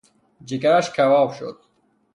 جگرش کباب شد